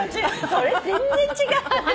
それ全然違う。